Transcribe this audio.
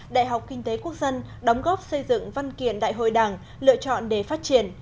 đại học kinh tế quốc dân đóng góp xây dựng văn kiện đại hội đảng lựa chọn để phát triển